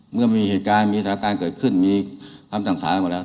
เมื่อมีเหตุการณ์มีสถานการณ์เกิดขึ้นมีคำสั่งสารหมดแล้ว